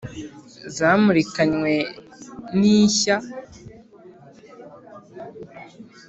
Zamurikanywe n’ishya